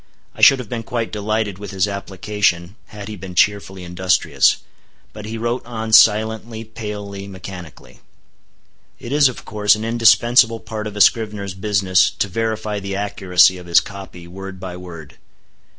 I should have been quite delighted with his application, had he been cheerfully industrious. But he wrote on silently, palely, mechanically. It is, of course, an indispensable part of a scrivener's business to verify the accuracy of his copy, word by word.